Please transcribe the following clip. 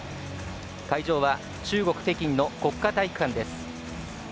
会場は中国・北京の国家体育館です。